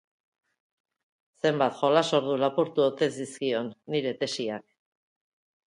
Zenbat jolas-ordu lapurtu ote zizkion nire tesiak?